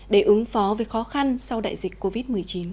để ứng phó với khó khăn sau đại dịch covid một mươi chín